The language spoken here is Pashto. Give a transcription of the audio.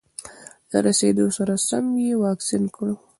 له رسېدو سره سم یې واکسین کړو.